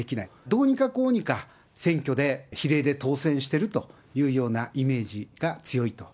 どうにかこうにか、選挙で、比例で当選してるというようなイメージが強いと。